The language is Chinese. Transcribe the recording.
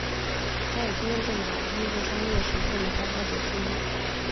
他也是验证码的第一个商业实现的开发者之一。